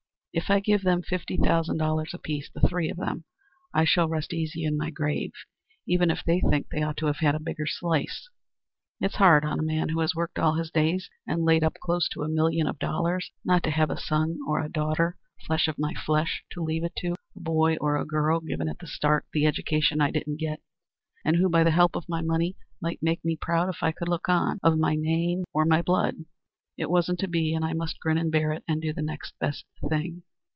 If I give them fifty thousand dollars apiece the three of them I shall rest easy in my grave, even if they think they ought to have had a bigger slice. It's hard on a man who has worked all his days, and laid up close to a million of dollars, not to have a son or a daughter, flesh of my flesh, to leave it to; a boy or a girl given at the start the education I didn't get, and who, by the help of my money, might make me proud, if I could look on, of my name or my blood. It wasn't to be, and I must grin and bear it, and do the next best thing.